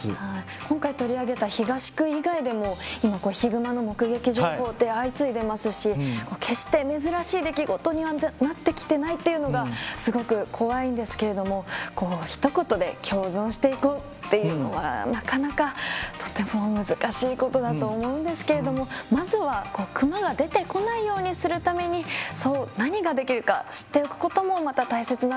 今回取り上げた東区以外でも今ヒグマの目撃情報って相次いでますし決して珍しい出来事にはなってきてないというのがすごく怖いんですけれどもこうひと言で「共存していこう」というのはなかなかとても難しいことだと思うんですけれどもまずはクマが出てこないようにするためにそう何ができるか知っておくこともまた大切なのかなと思います。